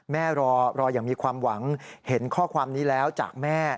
รออย่างมีความหวังเห็นข้อความนี้แล้วจากแม่